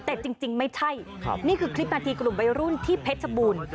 แต่จริงไม่ใช่นี่คือคลิปนาทีกลุ่มวัยรุ่นที่เพชรบูรณ์